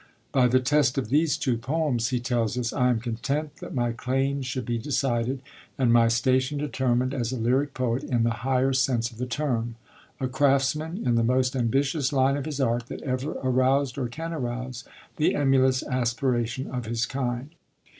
'By the test of these two poems,' he tells us, 'I am content that my claims should be decided and my station determined as a lyric poet in the higher sense of the term; a craftsman in the most ambitious line of his art that ever aroused or can arouse the emulous aspiration of his kind.'